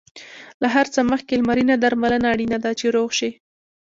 له هر څه مخکې لمرینه درملنه اړینه ده، چې روغ شې.